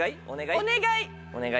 お願い。